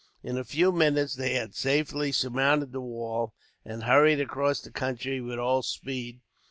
In a few minutes they had safely surmounted the wall, and hurried across the country, with all speed.